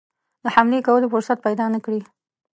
د حملې کولو فرصت پیدا نه کړي.